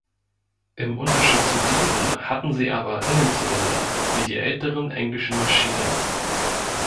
Im Unterschied zu diesen hatten sie aber Innenzylinder wie die älteren englischen Maschinen.